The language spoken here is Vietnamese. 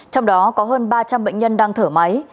trong đó có hơn ba trăm linh bệnh nhân đang thở máy